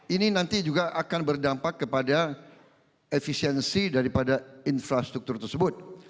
ini nanti juga akan berdampak kepada efisiensi daripada infrastruktur tersebut